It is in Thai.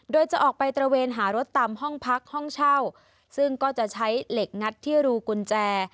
โดยจะออกไปตระเวนหารถตามห้องพักห้องเช่าซึ่งก็จะใช้เหล็กงัดที่รูกุญแจ